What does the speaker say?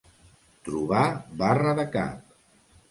Trobar barra de cap.